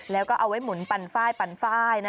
แล้วก็เอาไว้หมุนปานไฟล์